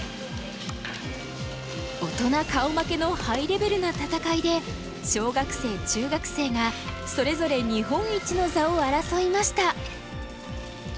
大人顔負けのハイレベルな戦いで小学生中学生がそれぞれ日本一の座を争いました。